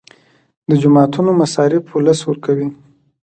د جوماتونو مصارف ولس ورکوي